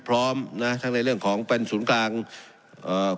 พร้อมนะทั้งในเรื่องของเป็นศูนย์กลางเอ่อ